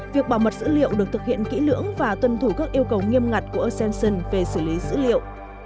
việc bảo mật dữ liệu được thực hiện kỹ lưỡng và tuân thủ các yêu cầu nghiêm ngặt của ascension về xử lý dữ liệu